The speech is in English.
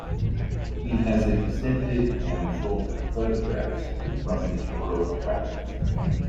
He has exhibited and sold photographs from his world travels.